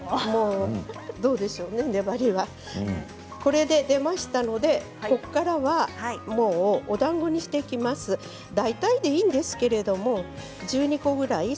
どうでしょうね、粘りがこれで出ましたのでここからはおだんごにしていきます、大体でいいんですけれども１２個ぐらい。